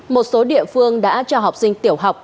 một số địa phương đã cho học sinh tiểu học